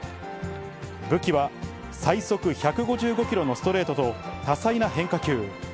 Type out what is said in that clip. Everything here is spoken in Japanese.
武器は最速１５５キロのストレートと、多彩な変化球。